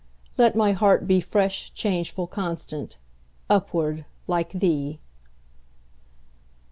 Let my heart be Fresh, changeful, constant, Upward, like thee!